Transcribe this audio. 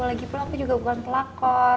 lagipula aku juga bukan pelakon